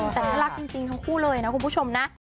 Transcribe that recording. แต่ถ้ารักจริงทั้งคู่เลยนะคุณผู้ชมนะ